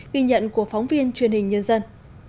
ghi nhận của phóng viên truyền hình nhân dân